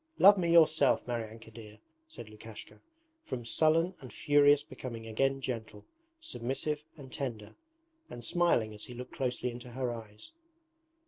Love me yourself, Maryanka dear,' said Lukashka, from sullen and furious becoming again gentle, submissive, and tender, and smiling as he looked closely into her eyes.